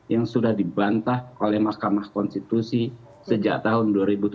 yang sudah dibantah oleh mahkamah konstitusi sejak tahun dua ribu tujuh belas